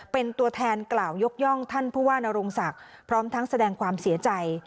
เป็นตัวแทนกล่าวยกย่องท่านผู้ว่านรงศักดิ์พร้อมทั้งแสดงความเสียใจ